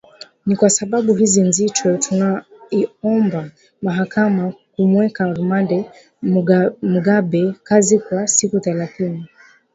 Ni kwa sababu hizi nzito tunaiomba mahakama kumweka rumande Mugabekazi kwa siku thelathini